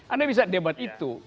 anda bisa debat itu